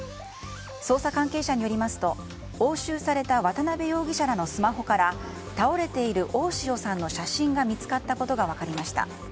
捜査関係者によりますと押収された渡辺容疑者らのスマホから倒れている大塩さんの写真が見つかったことが分かりました。